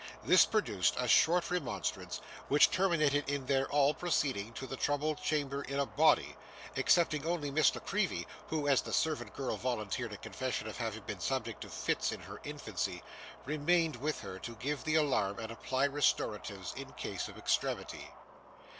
This produced a short remonstrance, which terminated in their all proceeding to the troubled chamber in a body, excepting only Miss La Creevy, who, as the servant girl volunteered a confession of having been subject to fits in her infancy, remained with her to give the alarm and apply restoratives, in case of extremity.